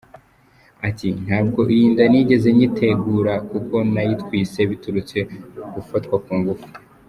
Ati : «Ntabwo iyi nda nigeze nyitegura kuko nayitwise biturutse ku gufatwa ku ngufu.